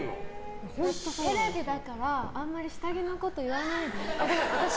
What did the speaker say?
テレビだからあんまり下着のこと言わないで。